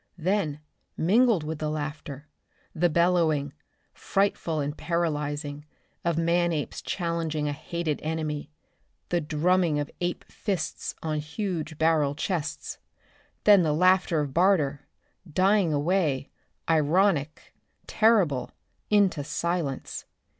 Then, mingled with the laughter, the bellowing, frightful and paralyzing, of man apes challenging a hated enemy. The drumming of ape fists on huge barrel chests. Then the laughter of Barter, dying away, ironic, terrible, into silence.